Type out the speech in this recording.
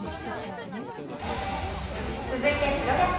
続いてプロ野球。